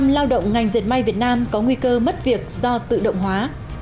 tám mươi sáu lao động ngành diệt may việt nam có nguy cơ mất việc do tự động hóa